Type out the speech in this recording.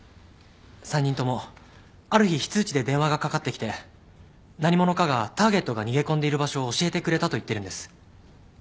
３人ともある日非通知で電話がかかってきて何者かがターゲットが逃げ込んでいる場所を教えてくれたと言ってるんです。